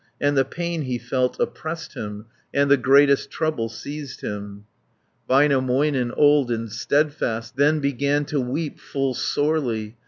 And the pain he felt oppressed him, And the greatest trouble seized him. Väinämöinen, old and steadfast, Then began to weep full sorely.